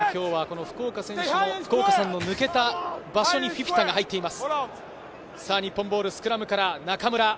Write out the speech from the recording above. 今日は福岡さんの抜けた場所にフィフィタが入っています。